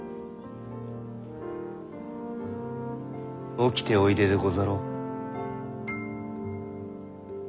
起きておいででござろう。